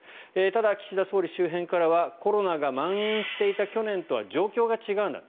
ただ、岸田総理周辺からはコロナがまん延していた去年とは状況が違うんだ。